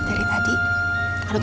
kenapa lu gila sekarang